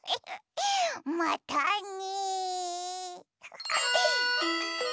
またね。